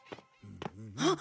あっ！